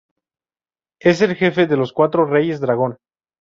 Es el jefe de los cuatro "Reyes Dragón".